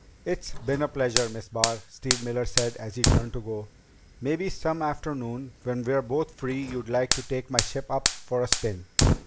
"It's been a pleasure, Miss Barr," Steve Miller said as he turned to go. "Maybe some afternoon when we're both free you'd like to take my ship up for a spin."